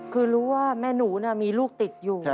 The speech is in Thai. คือรู้ว่าแม่หนูมีลูกติดอยู่